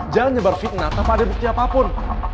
jangan nyebar fitnah tanpa ada bukti apapun